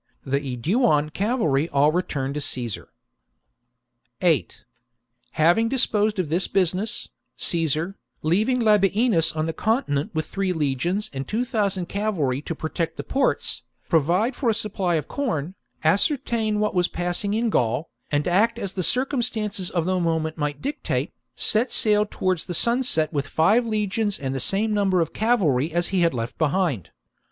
the Aeduan cavalry all returned to Caesar. 8. Having disposed of this business, Caesar, The voyage leaving Labienus on the continent with three ^°^"'^'" legions and two thousand cavalry to protect the ports, provide for a supply of corn, ascertain what 132 CAESAR'S SECOND INVASION book 54 B.C. was passing in Gaul, and act as the circumstances of the moment might dictate, set sail towards sunset with five legions and the same number of cavalry as he had left behind.